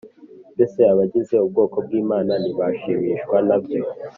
Mbese abagize ubwoko bw’Imana ntibashimishwa nabyo?